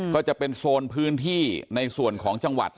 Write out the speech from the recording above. ก็จะเป็นโซนพื้นที่ในส่วนของจังหวัด